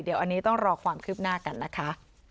เดี๋ยวอันนี้ต้องรอความคืบหน้ากันนะคะ